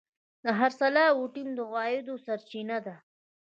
د خرڅلاو ټیم د عوایدو سرچینه ده.